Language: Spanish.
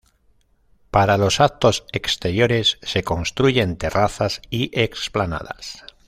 Para los actos exteriores se construyen terrazas y explanadas.